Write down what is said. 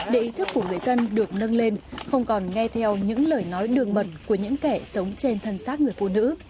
để ý thức của người dân được nâng lên không còn nghe theo những lời nói đường mẩn của những kẻ sống trên thân xác người phụ nữ